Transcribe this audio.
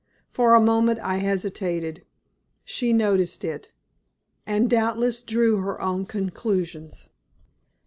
For a moment I hesitated. She noticed it, and doubtless drew her own conclusions.